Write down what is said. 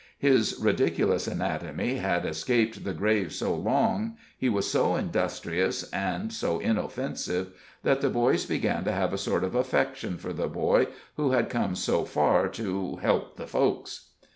His ridiculous anatomy had escaped the grave so long, he was so industrious and so inoffensive, that the boys began to have a sort of affection for the boy who had come so far to "help the folks."